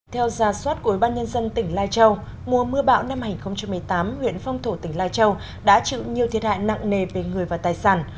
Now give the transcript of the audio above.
theo giả soát của ubnd tỉnh lai châu mùa mưa bão năm hai nghìn một mươi tám huyện phong thổ tỉnh lai châu đã chịu nhiều thiệt hại nặng nề về người và tài sản